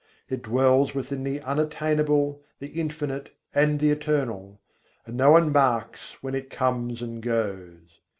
It dwells within the Unattainable, the Infinite, and the Eternal; and no one marks when it comes and goes.